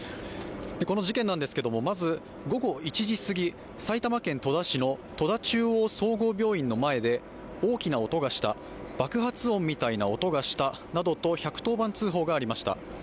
この事件なんですけれど、まず、午後１時すぎ、埼玉県戸田市の戸田中央総合病院の前で大きな音がした、爆発音みたいな音がしたと１１０番通報がありました。